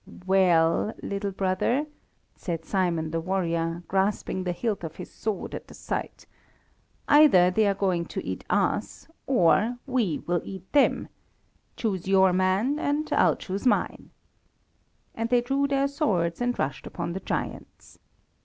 "Well, little brother," said Simon the warrior, grasping the hilt of his sword at the sight, "either they are going to eat us or we will eat them, choose your man and I'll choose mine." And they drew their swords and rushed upon the giants.